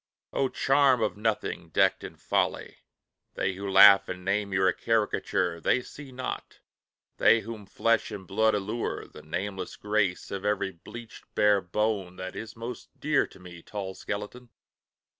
O charm of nothing decked in folly! they Who laugh and name you a Caricature, They see not, they whom flesh and blood allure, The nameless grace of every bleached, bare bone That is most dear to me, tall skeleton!